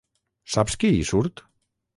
Saps qui hi surt?